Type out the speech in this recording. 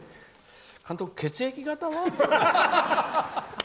監督、血液型は？